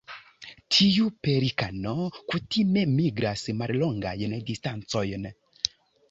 Tiu pelikano kutime migras mallongajn distancojn.